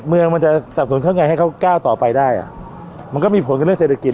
เมืองมันจะสับสนเขาไงให้เขาก้าวต่อไปได้อ่ะมันก็มีผลกับเรื่องเศรษฐกิจ